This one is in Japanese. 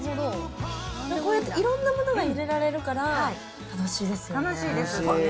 こうやっていろんなものが入れられるから、楽しいですね。